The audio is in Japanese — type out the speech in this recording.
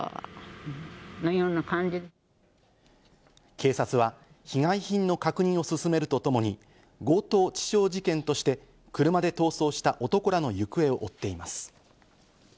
警察は被害品の確認を進めるとともに、強盗致傷事件として車で逃走した男らの行方を追っています。